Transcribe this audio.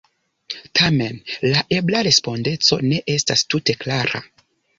Tamen, la ebla respondeco ne estas tute klara.